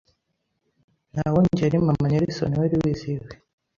nta wundi yari Mama Nelson wari wizihiwe